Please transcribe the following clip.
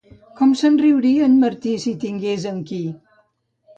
Com se'n riuria en Martí, si tingués amb qui!